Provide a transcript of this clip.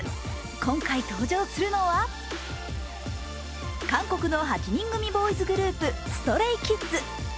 今回、登場するのは、韓国の８人組ボーイズグループＳｔｒａｙＫｉｄｓ。